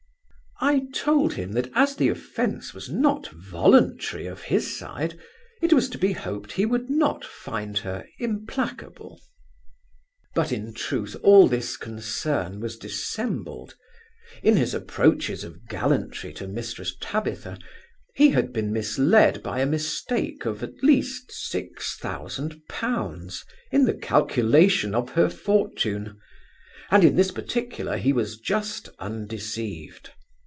I told him, that as the offence was not voluntary of his side, it was to be hoped he would not find her implacable. But, in truth, all this concern was dissembled. In his approaches of gallantry to Mrs Tabitha, he had been misled by a mistake of at least six thousand pounds, in the calculation of her fortune; and in this particular he was just undeceived.